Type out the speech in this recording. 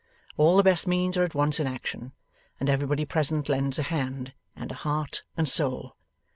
All the best means are at once in action, and everybody present lends a hand, and a heart and soul.